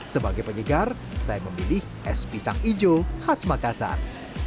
sebagai penyegar saya memilih es pisang hijau khas makassar